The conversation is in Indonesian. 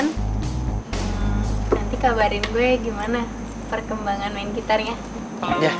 nanti kabarin gue gimana perkembangan main gitar ya